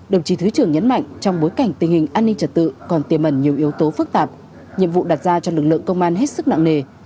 đồng chí thứ trưởng nhấn mạnh trong bối cảnh tình hình an ninh trật tự còn tiềm mẩn nhiều yếu tố phức tạp nhiệm vụ đặt ra cho lực lượng công an hết sức nặng nề